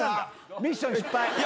ミッション失敗。